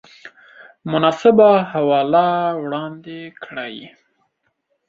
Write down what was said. مناسبه حواله وړاندې کړئ